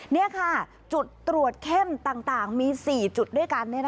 นี่ค่ะจุดตรวจเข้มต่างมี๔จุดด้วยกัน